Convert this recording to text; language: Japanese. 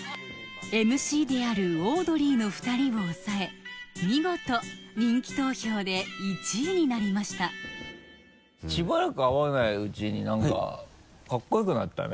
ＭＣであるオードリーの２人を抑え見事人気投票で１位になりましたしばらく会わないうちになんかかっこよくなったね。